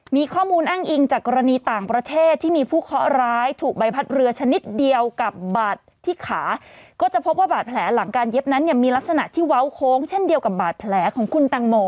มีข้อมูลอ้างอิงจากกรณีต่างประเทศที่มีผู้เคาะร้ายถูกใบพัดเรือชนิดเดียวกับบาดที่ขาก็จะพบว่าบาดแผลหลังการเย็บนั้นเนี่ยมีลักษณะที่เว้าโค้งเช่นเดียวกับบาดแผลของคุณตังโม